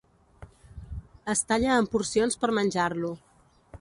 Es talla en porcions per menjar-lo.